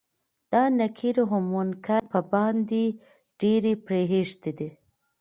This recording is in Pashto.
دا نکير او منکر په باندې ډيرې پريښتې دي